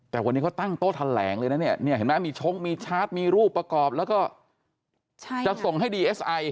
แต่วันนี้เขาตั้งโต๊ะแถลงเลยนะเนี่ยเห็นไหมมีชงมีชาร์จมีรูปประกอบแล้วก็จะส่งให้ดีเอสไอ